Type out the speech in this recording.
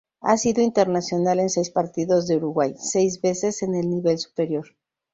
Ha sido internacional en seis partidos de Uruguay, seis veces en el nivel superior.